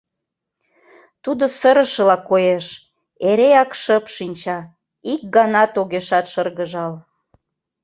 Тудо сырышыла коеш, эреак шып шинча, ик ганат огешат шыргыжал.